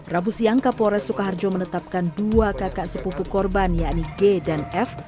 rabu siang kapolres sukoharjo menetapkan dua kakak sepupu korban yakni g dan f